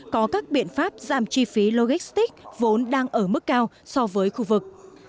có các biện pháp giảm chi phí logistics vốn đang ở mức cao so với khu vực